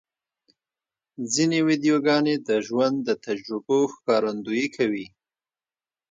ځینې ویډیوګانې د ژوند د تجربو ښکارندویي کوي.